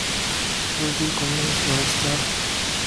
Fue cinco veces All Star.